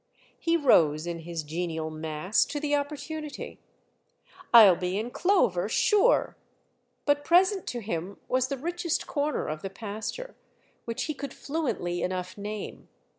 He rose, in his genial mass, to the opportunity. "I'll be in clover—sure!" But present to him was the richest corner of the pasture, which he could fluently enough name.